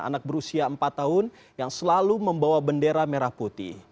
anak berusia empat tahun yang selalu membawa bendera merah putih